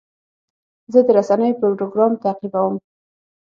زه د رسنیو پروګرام تعقیبوم.